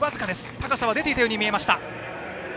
高さは出ていたように見えました。